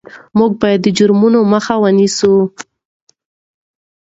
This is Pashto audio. موږ باید د جرمونو مخه ونیسو.